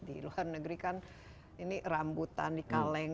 di luar negeri kan ini rambutan di kaleng